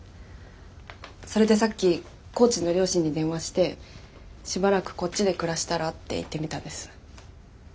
それでさっき高知の両親に電話してしばらくこっちで暮らしたらって言ってみたんです。